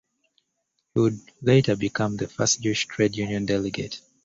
He would later become the first Jewish Trade union delegate.